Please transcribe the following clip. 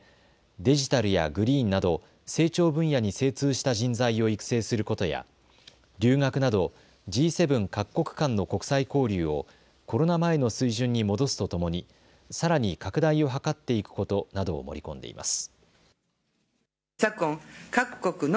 デジタルやグリーンなど成長分野に精通した人材を育成することや留学などＧ７各国間の国際交流をコロナ前の水準に戻すとともにさらに拡大を図っていくことなどを盛り込んでいます。